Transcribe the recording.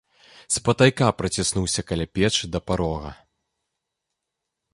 Спатайка праціснуўся каля печы да парога.